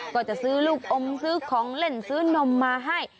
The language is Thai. ก็จะซื้อลูกอมซื้อของเล่นซื้อนมมาให้